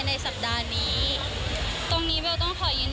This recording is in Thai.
หรือทางมับร้างอย่างนี้เบลก็รีเช็คแล้วก็คือไม่มีการติดต่อเข้ามาจริงค่ะ